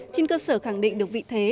trên cơ sở khẳng định được vị thế